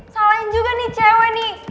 salahin juga nih cewe nih